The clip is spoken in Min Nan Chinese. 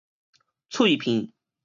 脆片